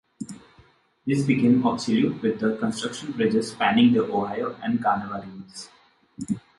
These became obsolete with the construction bridges spanning the Ohio and Kanawha Rivers.